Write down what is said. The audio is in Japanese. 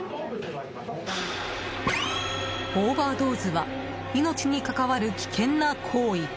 オーバードーズは命に関わる危険な行為。